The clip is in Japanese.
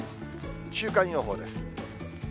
週間予報です。